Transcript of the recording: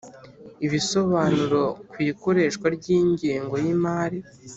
Ibisobanuro ku ikoreshwa ry Ingengo y Imari